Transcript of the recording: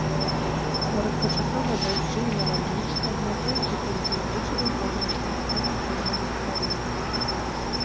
Кароткачасовыя дажджы і навальніцы прагназуюцца толькі ўвечары ў паўночна-усходніх раёнах краіны.